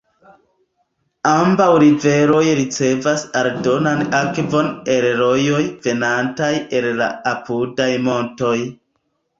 Ambaŭ riveroj ricevas aldonan akvon el rojoj venantaj el la apudaj montoj.